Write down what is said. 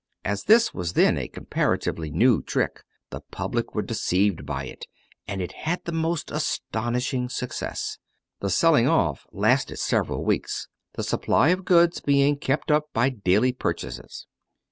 As this was then a comparatively new trick the public were deceived by it, and it had the most astonishing success. The selling off lasted several weeks, the supply of goods being kept up by daily purchases.